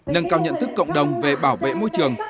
nâng cao nhận thức cộng đồng về bảo vệ môi trường